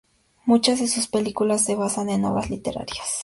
Muchas de sus películas se basan en obras literarias.